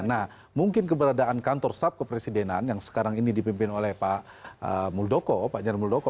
nah mungkin keberadaan kantor staf kepresidenan yang sekarang ini dipimpin oleh pak muldoko pak jan muldoko